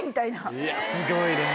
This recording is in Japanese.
いやすごいね。